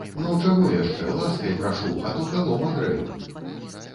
Ну, чаго яшчэ, ласкай прашу, а то калом агрэю.